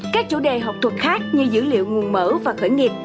các chủ đề học thuật khác như dữ liệu nguồn mở và khởi nghiệp